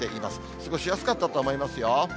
過ごしやすかったとは思いますよ。